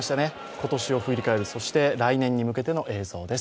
今年を振り返る、そして来年に向けての映像です。